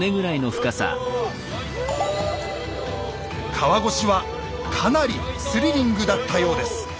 川越はかなりスリリングだったようです。